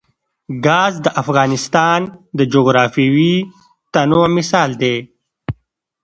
ګاز د افغانستان د جغرافیوي تنوع مثال دی.